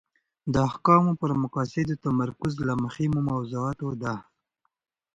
د احکامو پر مقاصدو تمرکز له مهمو موضوعاتو ده.